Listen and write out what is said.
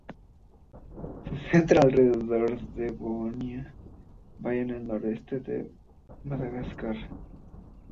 Se centra alrededor de Boina Bay en el noroeste de Madagascar.